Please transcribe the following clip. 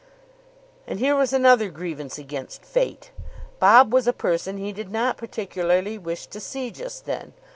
And here was another grievance against fate. Bob was a person he did not particularly wish to see just then.